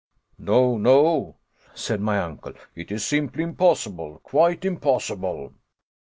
"No, no," said my uncle, "it is simply impossible, quite impossible."